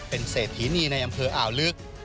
เป็นเศรษฐีนีในอำเภออ่าวลึก